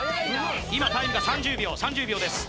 今タイムが３０秒３０秒です